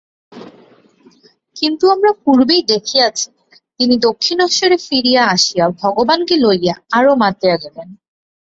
কিন্তু আমরা পূর্বেই দেখিয়াছি, তিনি দক্ষিণেশ্বরে ফিরিয়া আসিয়া ভগবানকে লইয়া আরও মাতিয়া গেলেন।